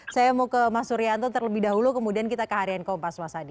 saya mau ke mas suryanto terlebih dahulu kemudian kita ke harian kompas mas adi